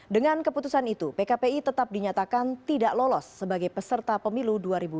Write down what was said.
dengan keputusan itu pkpi tetap dinyatakan tidak lolos sebagai peserta pemilu dua ribu dua puluh